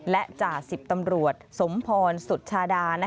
และจ่า๑๐ตำรวจสมพรสุชาดา